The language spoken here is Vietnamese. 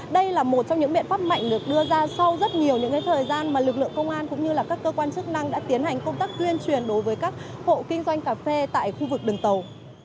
đây là một trong những biện pháp mạnh được đưa ra sau rất nhiều những thời gian mà lực lượng công an cũng như các cơ quan chức năng đã tiến hành công tác tuyên truyền đối với các hộ kinh doanh cà phê tại khu vực đường tàu